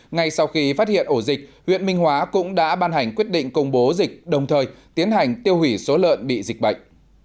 ngay sau khi phát hiện ổ dịch huyện minh hóa cũng đã ban hành quyết định công bố dịch đồng thời tiến hành tiêu hủy số lợn bị dịch bệnh